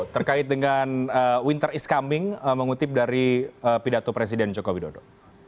terkait dengan winter is coming mengutip dari pidato presiden joko widodo